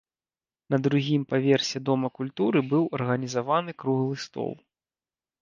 На другім паверсе дома культуры быў арганізаваны круглы стол.